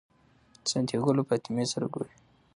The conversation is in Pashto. سانتیاګو له فاطمې سره ګوري.